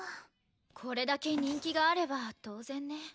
これだけ人気があれば当然ね。